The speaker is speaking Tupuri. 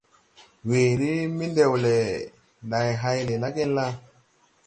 Weere mendewle, ndày hay le la genla?